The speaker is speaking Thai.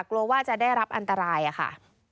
กลัวว่าจะได้รับอันตรายค่ะ